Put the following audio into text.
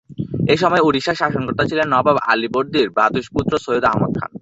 এসময় উড়িষ্যার শাসনকর্তা ছিলেন নবাব আলীবর্দীর ভ্রাতুষ্পুত্র সৈয়দ আহমদ খান।